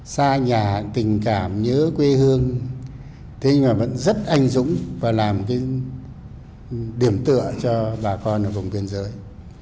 xa nhà tình cảm nhớ quê hương thế nhưng mà vẫn rất anh dũng và làm cái điểm tựa cho bà con ở vùng biên giới